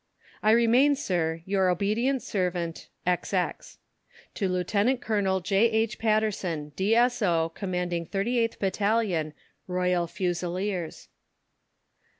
I remain, Sir, Your obedient Servant, XX. To LIEUTENANT COLONEL J. H. PATTERSON, D.S.O., Commanding 38TH BATTALION ROYAL FUSILIERS.